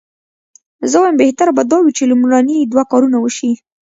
زه وایم بهتره به دا وي چې لومړني دوه کارونه وشي.